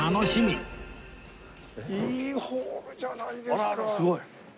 あらすごい！